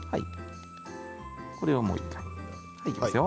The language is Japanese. これを、もう１回いきますよ。